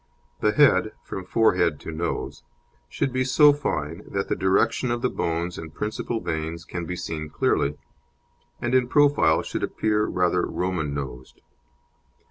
The head, from forehead to nose, should be so fine that the direction of the bones and principal veins can be seen clearly, and in profile should appear rather Roman nosed.